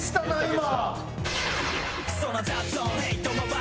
今。